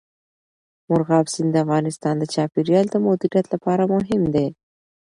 مورغاب سیند د افغانستان د چاپیریال د مدیریت لپاره مهم دی.